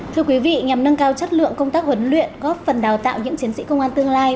thưa quý vị nhằm nâng cao chất lượng công tác huấn luyện góp phần đào tạo những chiến sĩ công an tương lai